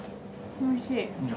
おいしい。